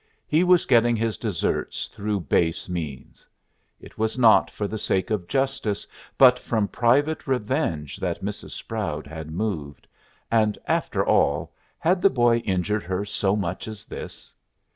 He was getting his deserts through base means. It was not for the sake of justice but from private revenge that Mrs. Sproud had moved; and, after all, had the boy injured her so much as this?